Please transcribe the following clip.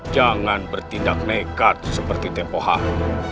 jangan bertindak nekat seperti tempoh hal